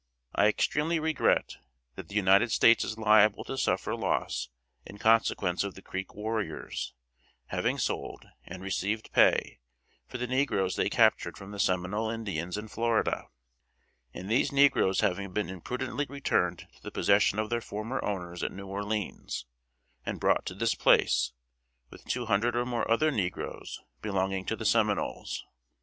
I extremely regret that the United States is liable to suffer loss in consequence of the Creek warriors having sold, and received pay, for the negroes they captured from the Seminole Indians in Florida; and these negroes having been imprudently returned to the possession of their former owners at New Orleans, and brought to this place, with two hundred or more other negroes belonging to the Seminoles.